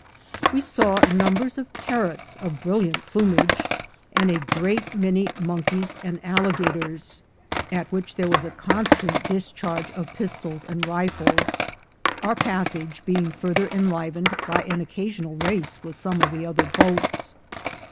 We saw numbers of parrots of brilliant plumage, and a great many monkeys and alligators, at which 28 THE GOLD HUNTERS there was a constant discharge of pistols and rifles, our passage being further enlivened by an occasional race with some of the other boats.